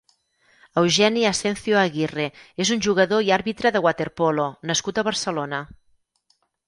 Eugeni Asencio Aguirre és un jugador i àrbitre de waterpolo nascut a Barcelona.